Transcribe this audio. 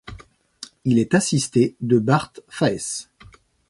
Il est assisté de Bart Faes.